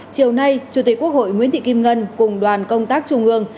chiều nay chủ tịch quốc hội nguyễn thị kim ngân cùng đoàn công tác trung ương